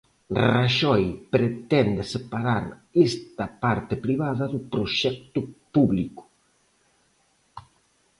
Raxoi pretende separar esta parte privada do proxecto público.